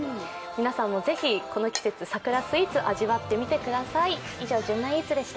皆さんもぜひこの季節、桜スイーツ味わってみてください。